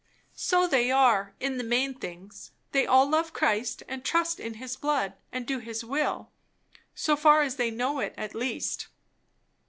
"So they are, in the main things. They all love Christ, and trust in his blood, and do his will. So far as they know it, at least.